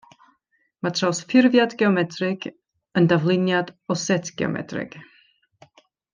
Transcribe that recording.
Mae trawsffurfiad geometrig yn dafluniad o set geometrig.